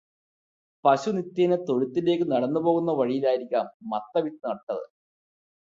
പശു നിത്യേന തൊഴുത്തിലേക്ക് നടന്നുപോകുന്ന വഴിയിലായിരിക്കാം മത്തവിത്ത് നട്ടത്.